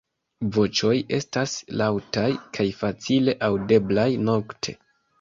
Voĉoj estas laŭtaj kaj facile aŭdeblaj nokte.